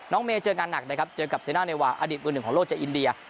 เมย์เจองานหนักนะครับเจอกับเซน่าเนวาอดีตมือหนึ่งของโลกจากอินเดีย